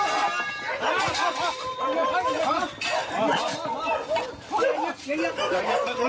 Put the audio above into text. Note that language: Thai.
เอาไม่ไหวเอ้าเป็นไรเว้ยฟังซะเอามาบุก